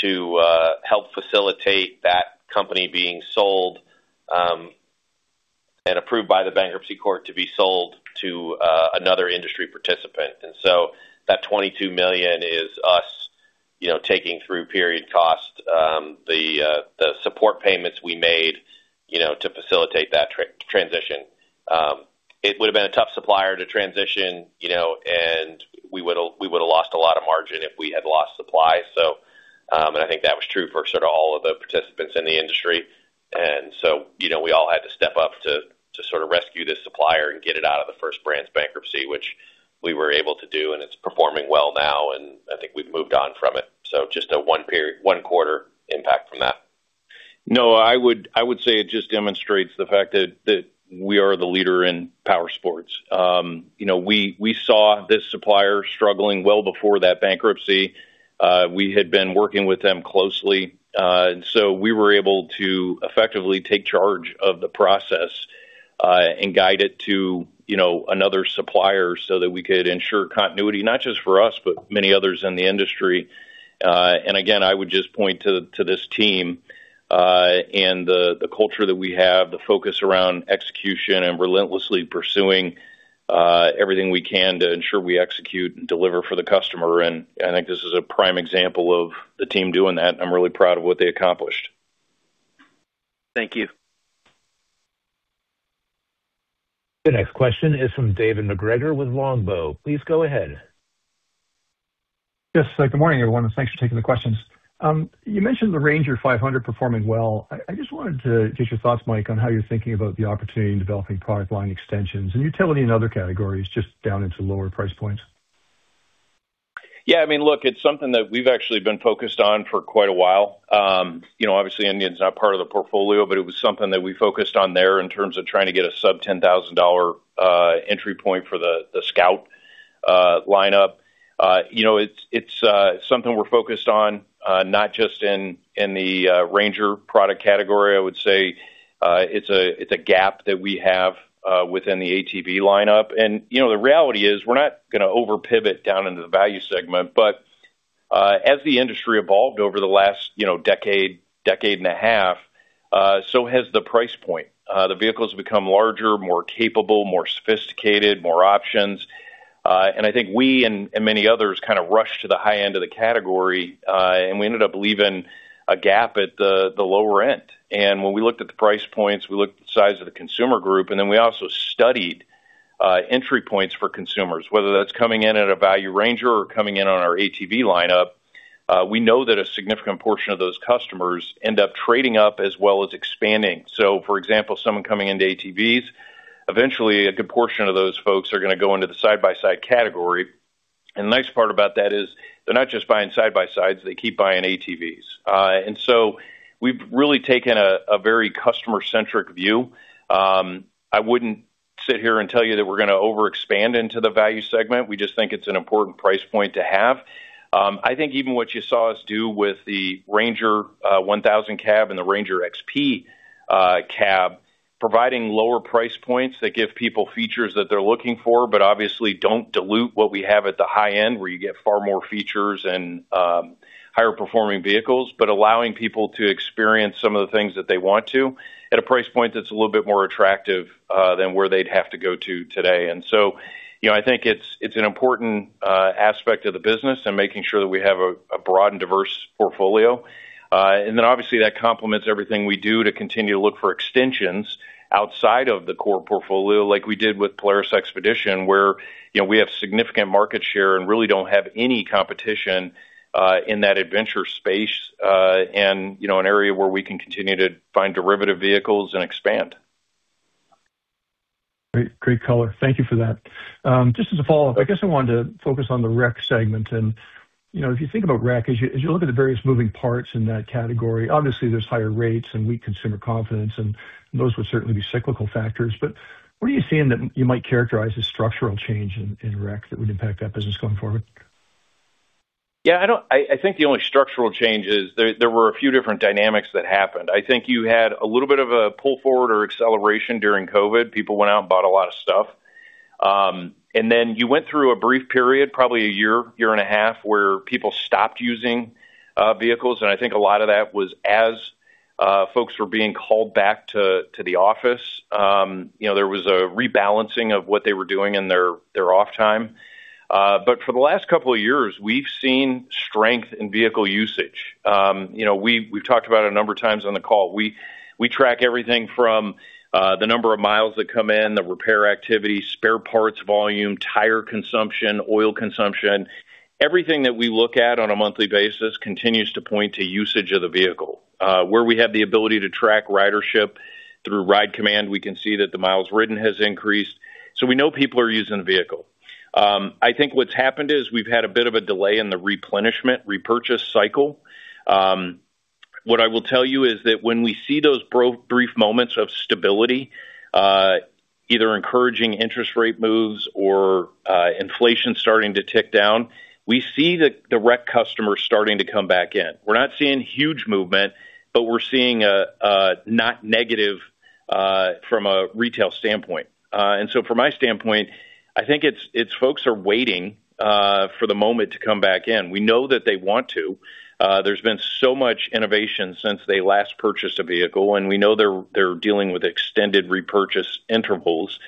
to help facilitate that company being sold and approved by the bankruptcy court to be sold to another industry participant. That $22 million is us, you know, taking through period cost, the support payments we made, you know, to facilitate that transition. It would've been a tough supplier to transition, you know, we would've lost a lot of margin if we had lost supply. I think that was true for sort of all of the participants in the industry. You know, we all had to step up to sort of rescue this supplier and get it out of the First Brands bankruptcy, which we were able to do, and it's performing well now, and I think we've moved on from it. Just a one quarter impact from that. Noah, I would say it just demonstrates the fact that we are the leader in powersports. You know, we saw this supplier struggling well before that bankruptcy. We had been working with them closely. We were able to effectively take charge of the process, and guide it to, you know, another supplier so that we could ensure continuity, not just for us, but many others in the industry. Again, I would just point to this team, and the culture that we have, the focus around execution and relentlessly pursuing everything we can to ensure we execute and deliver for the customer. I think this is a prime example of the team doing that. I'm really proud of what they accomplished. Thank you. The next question is from David MacGregor with Longbow. Please go ahead. Yes. Good morning, everyone. Thanks for taking the questions. You mentioned the Ranger 500 performing well. I just wanted to get your thoughts, Mike, on how you're thinking about the opportunity in developing product line extensions and utility in other categories just down into lower price points. Yeah, I mean, look, it's something that we've actually been focused on for quite a while. You know, obviously Indian's not part of the portfolio, but it was something that we focused on there in terms of trying to get a sub $10,000 entry point for the Scout lineup. You know, it's something we're focused on, not just in the Ranger product category. I would say, it's a gap that we have within the ATV lineup. You know, the reality is we're not gonna over-pivot down into the value segment. As the industry evolved over the last, you know, decade and a half, so has the price point. The vehicles become larger, more capable, more sophisticated, more options. I think we and many others kind of rushed to the high end of the category, and we ended up leaving a gap at the lower end. When we looked at the price points, we looked at the size of the consumer group, and then we also studied entry points for consumers, whether that's coming in at a value Ranger or coming in on our ATV lineup. We know that a significant portion of those customers end up trading up as well as expanding. For example, someone coming into ATVs, eventually a good portion of those folks are gonna go into the side-by-side category. The nice part about that is they're not just buying side-by-sides, they keep buying ATVs. We've really taken a very customer-centric view. I wouldn't sit here and tell you that we're gonna overexpand into the value segment. We just think it's an important price point to have. I think even what you saw us do with the Ranger 1000 Cab and the Ranger XP Cab, providing lower price points that give people features that they're looking for, but obviously don't dilute what we have at the high end, where you get far more features and higher performing vehicles. Allowing people to experience some of the things that they want to at a price point that's a little bit more attractive than where they'd have to go to today. you know, I think it's an important aspect of the business and making sure that we have a broad and diverse portfolio. Obviously that complements everything we do to continue to look for extensions outside of the core portfolio like we did with Polaris XPEDITION, where, you know, we have significant market share and really don't have any competition in that adventure space. You know, an area where we can continue to find derivative vehicles and expand. Great. Great color. Thank you for that. Just as a follow-up, I guess I wanted to focus on the rec segment. You know, if you think about rec, as you look at the various moving parts in that category, obviously there's higher rates and weak consumer confidence, and those would certainly be cyclical factors, but what are you seeing that you might characterize as structural change in rec that would impact that business going forward? I think the only structural change is there were a few different dynamics that happened. I think you had a little bit of a pull forward or acceleration during COVID. People went out and bought a lot of stuff. You went through a brief period, probably a year and a half, where people stopped using vehicles, and I think a lot of that was as folks were being called back to the office. You know, there was a rebalancing of what they were doing in their off time. For the last couple of years, we've seen strength in vehicle usage. You know, we've talked about it a number of times on the call. We track everything from the number of miles that come in, the repair activity, spare parts volume, tire consumption, oil consumption. Everything that we look at on a monthly basis continues to point to usage of the vehicle. Where we have the ability to track ridership through Ride Command, we can see that the miles ridden has increased, we know people are using the vehicle. I think what's happened is we've had a bit of a delay in the replenishment repurchase cycle. What I will tell you is that when we see those brief moments of stability, either encouraging interest rate moves or inflation starting to tick down, we see the rec customers starting to come back in. We're not seeing huge movement, we're seeing a not negative from a retail standpoint. From my standpoint, I think it's folks are waiting for the moment to come back in. We know that they want to. There's been so much innovation since they last purchased a vehicle, and we know they're dealing with extended repurchase intervals.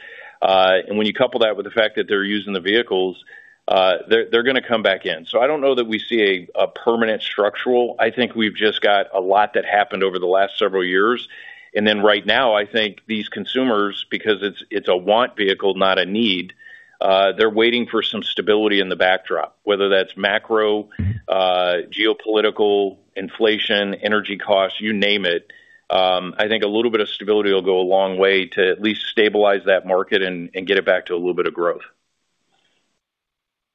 When you couple that with the fact that they're using the vehicles, they're gonna come back in. I don't know that we see a permanent structural. I think we've just got a lot that happened over the last several years. Right now, I think these consumers, because it's a want vehicle, not a need, they're waiting for some stability in the backdrop, whether that's macro, geopolitical, inflation, energy costs, you name it. I think a little bit of stability will go a long way to at least stabilize that market and get it back to a little bit of growth.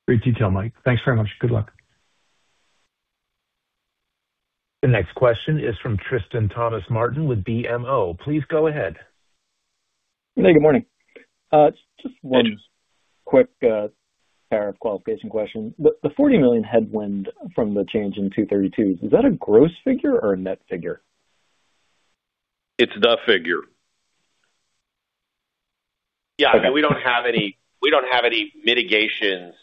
Great detail, Mike. Thanks very much. Good luck. The next question is from Tristan Thomas-Martin with BMO. Please go ahead. Hey, good morning. Hey ... quick, tariff qualification question. The $40 million headwind from the change in Section 232s, is that a gross figure or a net figure? It's the figure. Yeah. Okay. We don't have any mitigations.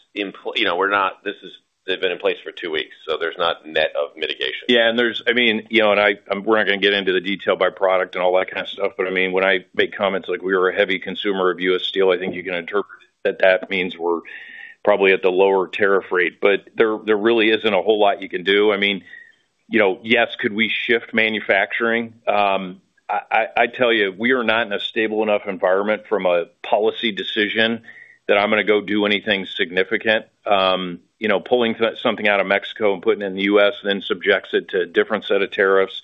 They've been in place for two weeks, so there's not net of mitigation. We're not gonna get into the detail by product and all that kind of stuff, but when I make comments like we are a heavy consumer of U.S. Steel, I think you can interpret that that means we're probably at the lower tariff rate. There really isn't a whole lot you can do. Yes, could we shift manufacturing? I tell you, we are not in a stable enough environment from a policy decision that I'm gonna go do anything significant. You know, pulling something out of Mexico and putting it in the U.S. subjects it to a different set of tariffs.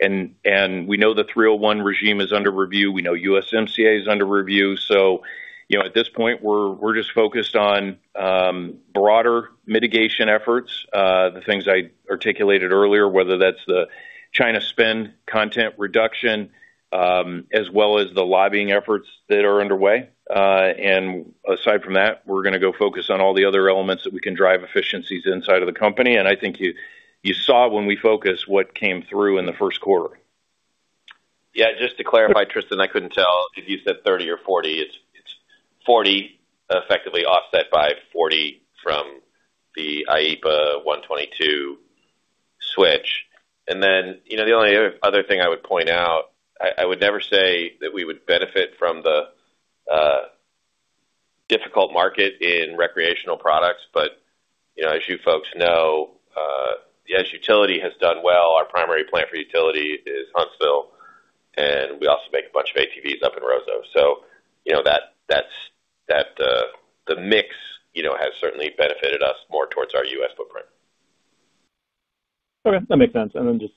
We know the Section 301 regime is under review. We know USMCA is under review. You know, at this point, we're just focused on broader mitigation efforts, the things I articulated earlier, whether that's the China spend content reduction, as well as the lobbying efforts that are underway. Aside from that, we're gonna go focus on all the other elements that we can drive efficiencies inside of the company. I think you saw when we focus what came through in the first quarter. Yeah. Just to clarify, Tristan, I couldn't tell if you said 30 or 40. It's 40 effectively offset by 40 from the IEEPA Section 122 switch. The only other thing I would point out, I would never say that we would benefit from the difficult market in recreational products, but, you know, as you folks know, as utility has done well, our primary plant for utility is Huntsville, and we also make a bunch of ATVs up in Roseau. You know, that the mix, you know, has certainly benefited us more towards our U.S. footprint. Okay, that makes sense. Just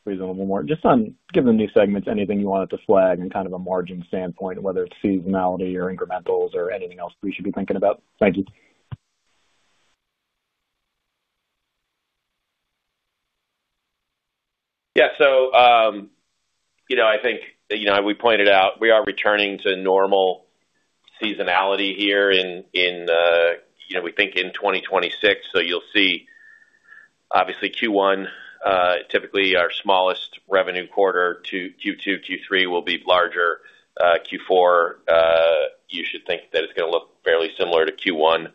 squeeze a little more. Just on given these segments, anything you wanted to flag in kind of a margin standpoint, whether it's seasonality or incrementals or anything else we should be thinking about? Thank you. Yeah. You know, I think, you know, we pointed out we are returning to normal seasonality here in, you know, we think in 2026. You'll see obviously Q1, typically our smallest revenue quarter. Q2, Q3 will be larger. Q4, you should think that it's gonna look fairly similar to Q1.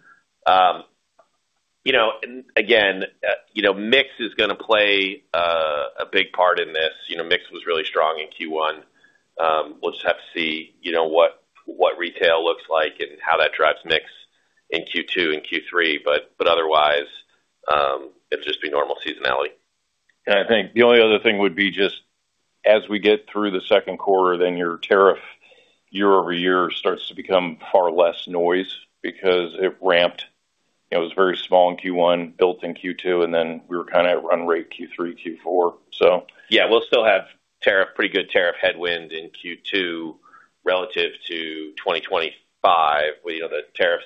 You know, and again, you know, mix is gonna play a big part in this. You know, mix was really strong in Q1. We'll just have to see, you know, what retail looks like and how that drives mix in Q2 and Q3. Otherwise, it'll just be normal seasonality. I think the only other thing would be just as we get through the second quarter, then your tariff year-over-year starts to become far less noise because it ramped. It was very small in Q1, built in Q2, and then we were kinda at run rate Q3, Q4. Yeah, we'll still have tariff, pretty good tariff headwind in Q2 relative to 2025, where, you know, the tariffs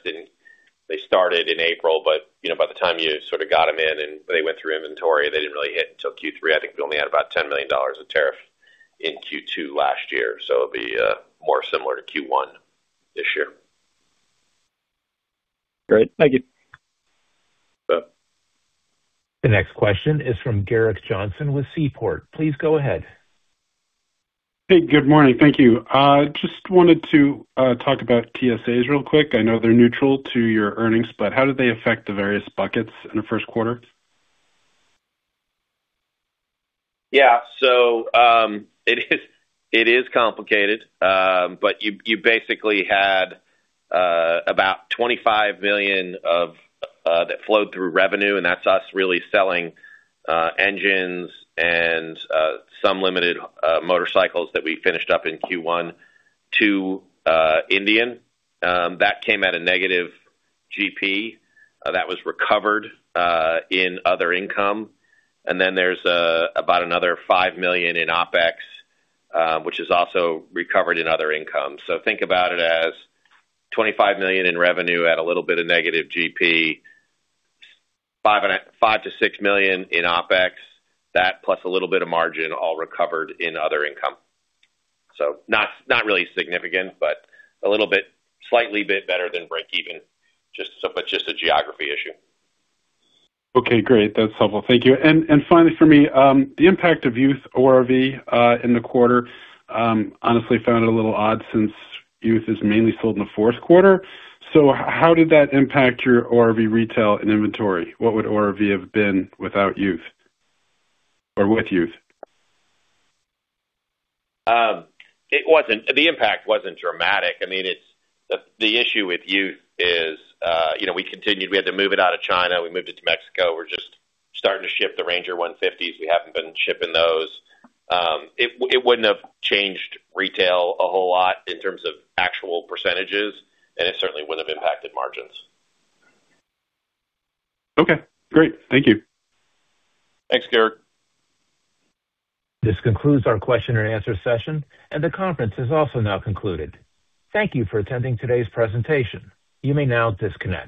they started in April, but, you know, by the time you sort of got them in and they went through inventory, they didn't really hit until Q3. I think we only had about $10 million of tariff in Q2 last year, it'll be more similar to Q1 this year. Great. Thank you. Yep. The next question is from Gerrick Johnson with Seaport. Please go ahead. Hey, good morning. Thank you. Just wanted to talk about TSAs real quick. I know they're neutral to your earnings, how did they affect the various buckets in the first quarter? It is complicated. You basically had about $25 million that flowed through revenue, and that's us really selling engines and some limited motorcycles that we finished up in Q1 to Indian. That came at a negative GP that was recovered in other income. There's about another $5 million in OpEx which is also recovered in other income. Think about it as $25 million in revenue at a little bit of negative GP, $5 million-$6 million in OpEx. That plus a little bit of margin all recovered in other income. Not really significant, but a little bit, slightly bit better than breakeven, just a geography issue. Okay, great. That's helpful. Thank you. Finally for me, the impact of youth ORV, in the quarter, honestly found it a little odd since youth is mainly sold in the fourth quarter. How did that impact your ORV retail and inventory? What would ORV have been without youth or with youth? The impact wasn't dramatic. I mean, the issue with youth is, you know, we continued. We had to move it out of China. We moved it to Mexico. We're just starting to ship the Ranger 150s. We haven't been shipping those. It wouldn't have changed retail a whole lot in terms of actual percentages, and it certainly wouldn't have impacted margins. Okay, great. Thank you. Thanks, Gerrick. This concludes our question-and-answer session. The conference is also now concluded. Thank you for attending today's presentation. You may now disconnect.